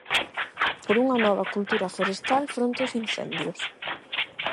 Por unha nova cultura forestal fronte aos incendios.